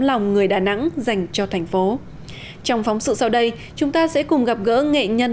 lòng người đà nẵng dành cho thành phố trong phóng sự sau đây chúng ta sẽ cùng gặp gỡ nghệ nhân